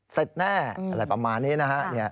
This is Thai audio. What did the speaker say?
เสร็จแน่อะไรประมาณนี้นะฮะ